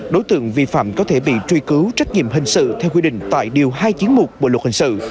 đối tượng vi phạm có thể bị truy cứu trách nhiệm hình sự theo quy định tại điều hai trăm chín mươi một bộ luật hình sự